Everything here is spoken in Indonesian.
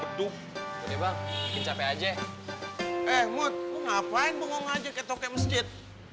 bedung udah bang mungkin capek aja eh mut ngapain mau ngomong aja kayak tokek masjid